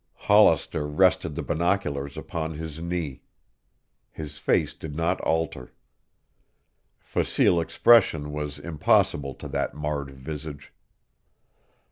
Hollister rested the binoculars upon his knee. His face did not alter. Facile expression was impossible to that marred visage.